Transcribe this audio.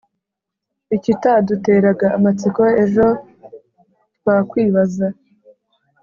ikitaduteraga amatsiko, ejo twakwibaza